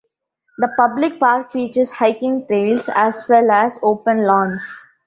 The public park features hiking trails, as well as open lawns.